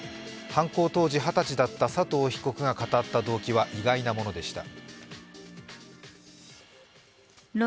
犯行当時、２０歳だった佐藤被告が語った動機は意外なものでした。